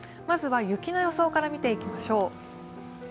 まずは雪の予想から見ていきましょう。